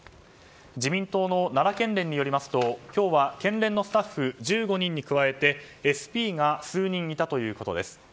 自民党の奈良県連によりますと今日は県連のスタッフ１５人に加えてＳＰが数人いたということです。